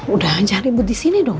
udah jangan ribut disini dong